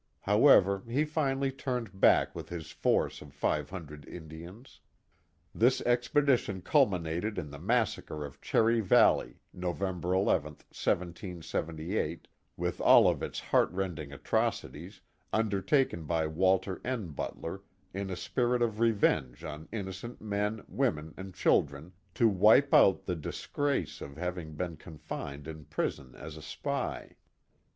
However, he finally turned back with his force of five hundred Indians. This expedition cul minated in the massacre of Cherry Valley, November 1 1, 1778, with all of its heartrending atrocities, undertaken by Walter N. Butler in a spirit of revenge on innocent men, women, and children, to wipe out the disgrace (?) of having been con fined in prison as a spy.